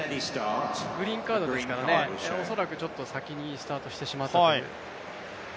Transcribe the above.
グリーンカードですから恐らく先にスタートしてしまったという。